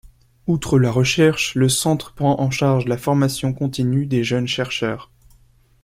Outre la recherche, le Centre prend en charge la formation continue des jeunes chercheurs.